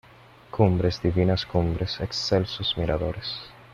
Cumbres, divinas cumbres, excelsos miradores.